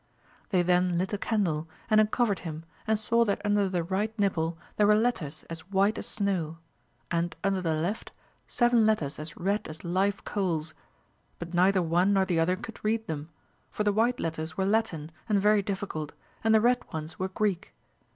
They then lit a candle, and uncovered him, and saw that under the right nipple there were letters as white as snow, and, under the left, seven letters as red as live coals ; but neither one nor the other could read them, for the white letters were Latin and very difficult, and the red ones were Greek.